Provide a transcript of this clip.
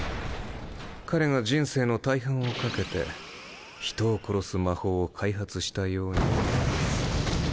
彼が人生の大半をかけて人を殺す魔法を開発したように。